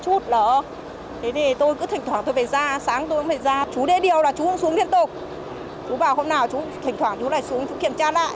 chú bảo hôm nào chú thỉnh thoảng chú lại xuống chú kiểm tra lại